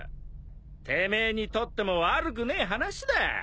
てめえにとっても悪くねえ話だ。